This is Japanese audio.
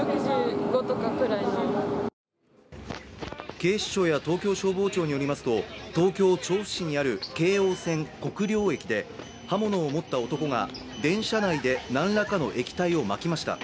警視庁や東京消防庁によりますと東京・調布市にある京王線国領駅で刃物を持った男が、電車内で何らかの液体をまきました。